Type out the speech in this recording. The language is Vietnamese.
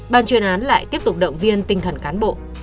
ban chuyên án lại tiếp tục động viên tinh thần cán bộ